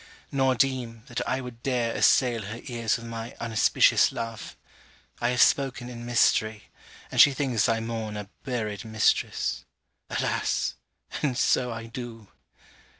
Nor deem, that I would dare assail her ears with my unauspicious love. I have spoken in mystery; and she thinks I mourn a buried mistress. Alas! and so I do!